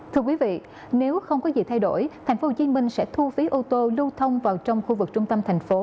thưa quý vị nếu không có gì thay đổi tp hcm sẽ thu phí ô tô lưu thông vào trong khu vực trung tâm thành phố